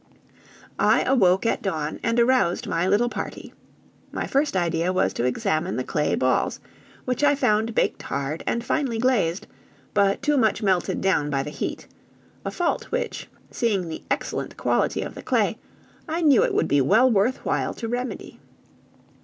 I awoke at dawn and aroused my little party. My first idea was to examine the clay balls, which I found baked hard and finely glazed, but too much melted down by the heat a fault which, seeing the excellent quality of the clay, I knew it would be well worth while to remedy.